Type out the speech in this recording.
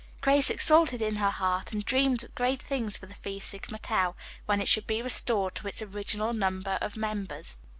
Grace exulted in her heart and dreamed great things for the Phi Sigma Tau when it should be restored to its original number of members.